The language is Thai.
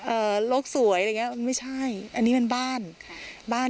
เอ่อโลกสวยอะไรอย่างเงี้ยไม่ใช่อันนี้เป็นบ้าน